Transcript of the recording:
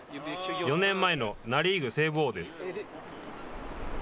４年前のナ・リーグセーブ王です。